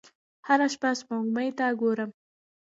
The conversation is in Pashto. هره شپه سپوږمۍ ته ګورم